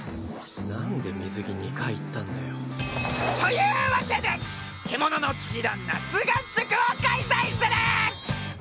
なんで水着２回言ったんだよ。というわけで獣の騎士団夏合宿を開催する！